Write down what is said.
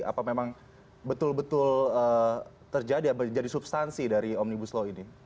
apa memang betul betul terjadi menjadi substansi dari omnibus law ini